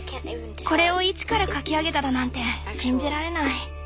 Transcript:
これを一から描き上げただなんて信じられない。